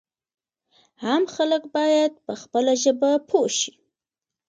عام خلک باید په خپله ژبه پوه شي.